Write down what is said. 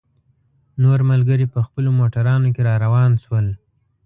نور ملګري په خپلو موټرانو کې را روان شول.